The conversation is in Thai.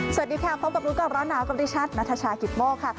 สวัสดีค่ะพบกับรู้ก่อนร้อนหนาวกับดิฉันนัทชายกิตโมกค่ะ